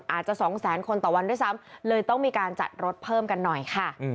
อาจจะสองแสนคนต่อวันด้วยซ้ำเลยต้องมีการจัดรถเพิ่มกันหน่อยค่ะ